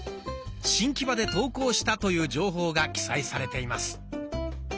新木場で投稿したという情報が記載されています。